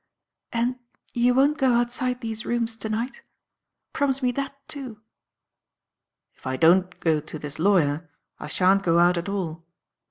"And you won't go outside these rooms to night. Promise me that, too." "If I don't go to this lawyer, I shan't go out at all."